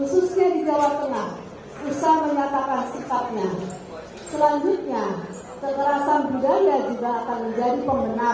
selanjutnya kekerasan budaya juga akan menjadi pemenaran bagi kekerasan fisik